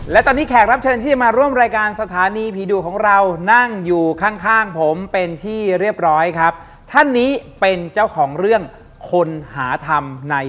และตอนนี้แขกรับเชิญที่จะมาร่วมรายการสถานีผีดุของเรานั่งอยู่ข้างข้างผมเป็นที่เรียบร้อยครับท่านนี้เป็นเจ้าของเรื่องคนหาทำใน